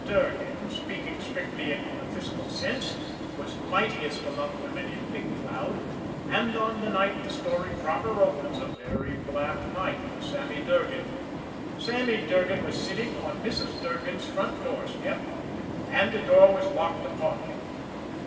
Durgan, speaking strictly in a physical sense, was mightiest among women in Big Cloud, and on the night the story proper opens a very black night for Sammy Durgan Sammy Durgan was sitting on Mrs. Durgan's front door step, and the door was locked upon him.